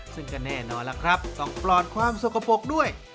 ซึ่งก็แน่นอนล่ะครับต้องปลอดความสกปรกด้วย